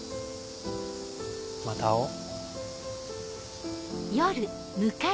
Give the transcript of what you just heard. また会おう。